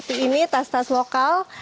ini tas tas lokal